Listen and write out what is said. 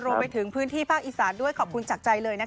รวมไปถึงพื้นที่ภาคอีสานด้วยขอบคุณจากใจเลยนะคะ